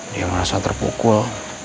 dia merasa terpukul